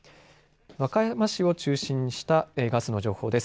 和歌山市を中心にした情報です。